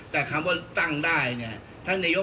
แต่คำว่าตั้งได้เนี่ย